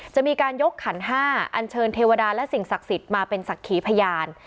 จะมีการยกขันห้าอันเชิญเทวดาและสิ่งศักดิ์สิทธิ์มาเป็นศักดิ์ขีพยาน